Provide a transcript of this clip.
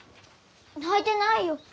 泣いてないよ！